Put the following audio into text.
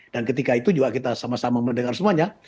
dan ketika itu juga kita sama sama mendengar semuanya